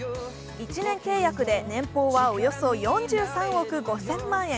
１年契約で年俸はおよそ４３億５０００万円。